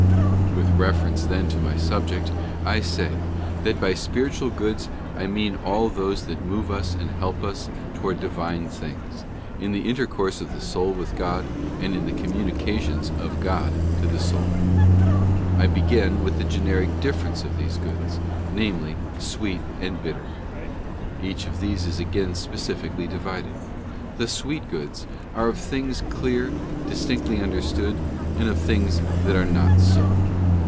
With reference then to my subject, I say, that by Spiritual . Goods I mean all those that move us and help us towards Divine things, in the intercourse of the soul with God, and in the communications of God to the soul. I begin with the generic difference of these goods, namely, Sweet and Bitter. Each of these is again specifically divided. The Sweet Goods are of things clear, distinctly understood, and of things that are not so.